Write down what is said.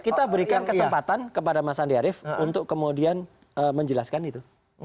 kita berikan kesempatan kepada mas andi arief untuk kemudian menjelaskan itu